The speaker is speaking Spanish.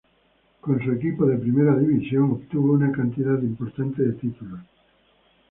Con su equipo de primera división, obtuvo una cantidad importante de títulos.